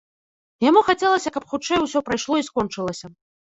Яму хацелася, каб хутчэй усё прайшло і скончылася.